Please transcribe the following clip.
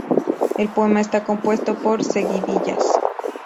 El poema está compuesto por seguidillas.